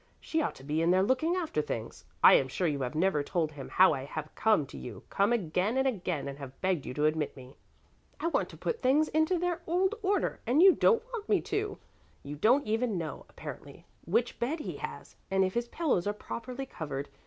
She ought to be in there looking after things. I am sure you have never told him how I have come to you, come again and again and have begged you to admit me. I want to put things into their old order and you don't want me to. You don't even know, apparently, which bed he has and if his pillows are properly covered.